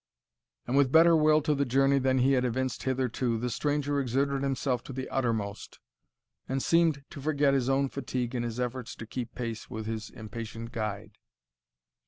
And with better will to the journey than he had evinced hitherto, the stranger exerted himself to the uttermost, and seemed to forget his own fatigue in his efforts to keep pace with his impatient guide.